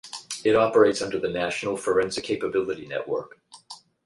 It operates under the national Forensic Capability Network.